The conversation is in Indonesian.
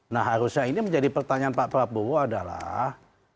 nah harusnya ini menjadi pertanyaan pak prabowo adalah